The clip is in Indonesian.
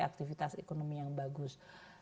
aktivitas ekonomi yang bagus